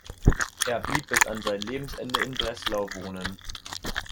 Er blieb bis an sein Lebensende in Breslau wohnen.